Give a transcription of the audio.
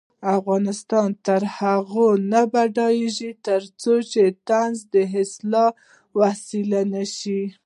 افغانستان تر هغو نه ابادیږي، ترڅو طنز د اصلاح وسیله نشي.